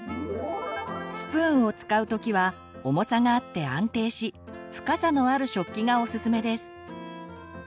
スプーンを使うときは重さがあって安定し深さのある食器がおすすめです。